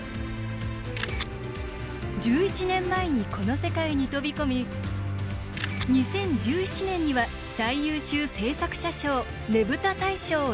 １１年前にこの世界に飛び込み２０１７年には最優秀制作者賞ねぶた大賞を受賞。